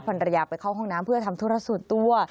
ภรรยาไปเข้าห้องน้ำเพื่อทำธุระส่วนตัว